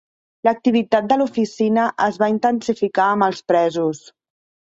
L'activitat de l'oficina es va intensificar amb els presos.